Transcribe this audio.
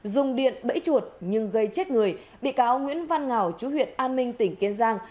dùng điện bẫy chuột nhưng gây chết người bị cáo nguyễn văn ngào chú huyện an minh tỉnh kiên giang